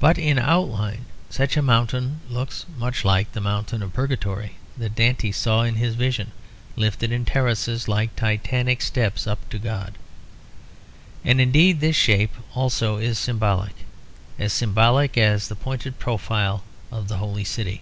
But in outline such a mountain looks much like the mountain of Purgatory that Dante saw in his vision, lifted in terraces, like titanic steps up to God. And indeed this shape also is symbolic; as symbolic as the pointed profile of the Holy City.